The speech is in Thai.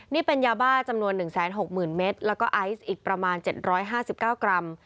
นี่เป็นยาบ้าจำนวน๑๖๐๐๐เมตรแล้วก็ไอซ์อีกประมาณ๗๕๙กรัม